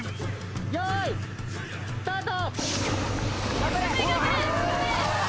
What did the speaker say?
よーい、スタート。